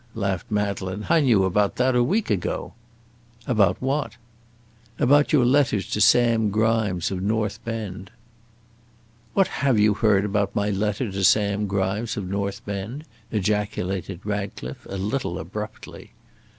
laughed Madeleine, "I knew about that a week ago." "About what?" "About your letter to Sam Grimes, of North Bend." "What have you heard about my letter to Sam Grimes, of North Bend?" ejaculated Ratcliffe, a little abruptly.